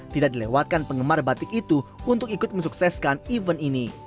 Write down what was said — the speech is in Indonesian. tidak dilewatkan penggemar batik itu untuk ikut mensukseskan event ini